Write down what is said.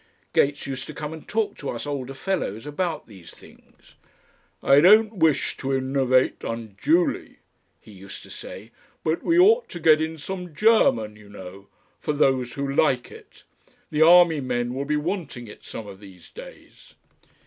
Gates used to come and talk to us older fellows about these things. "I don't wish to innovate unduly," he used to say. "But we ought to get in some German, you know, for those who like it. The army men will be wanting it some of these days."